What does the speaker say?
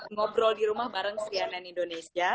ngobrol di rumah bareng cnn indonesia